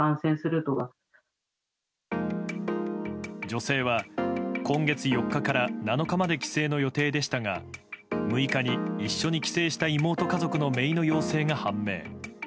女性は今月４日から７日まで帰省の予定でしたが６日に一緒に帰省した妹家族のめいの陽性が判明。